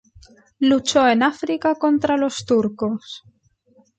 Luchó en África contra los turcos.